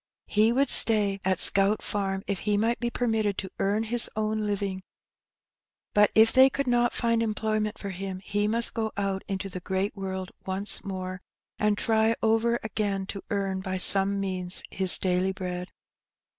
He would stay at Scout Farm if he might be permitted to earn his own living; but if they could not find employment for him he must go out into the great world once more, and try over again to earn, by some means, his daily bread.